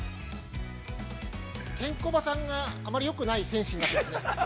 ◆ケンコバさんがあまりよくない戦士になっていますね。